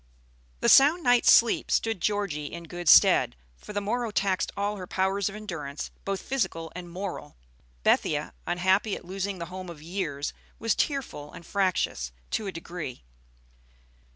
The sound night's sleep stood Georgie in good stead, for the morrow taxed all her powers of endurance, both physical and moral. Bethia, unhappy at losing the home of years, was tearful and fractious to a degree.